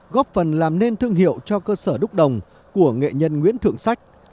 góp phần làm nên thương hiệu cho cơ sở đúc đồng của nghệ nhân nguyễn thượng sách